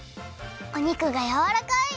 お肉がやわらかい！